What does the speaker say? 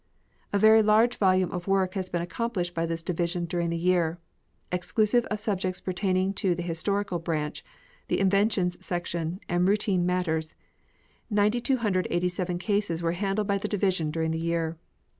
A very large volume of work has been accomplished by this division during the year. Exclusive of subjects pertaining to the historical branch, the inventions section, and routine matters, 9,287 cases were handled by the division during the year.